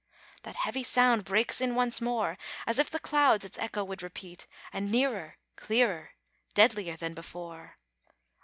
that heavy sound breaks in once more, As if the clouds its echo would repeat; And nearer, clearer, deadlier than before!